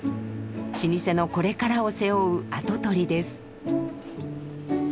老舗のこれからを背負う跡取りです。